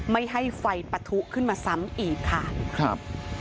ไม่ให้ไฟปะทุขึ้นมาซ้ำอีกค่ะครับ